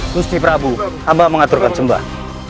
busti prabu abah mengaturkan cembah